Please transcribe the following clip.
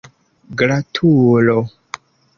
gratulo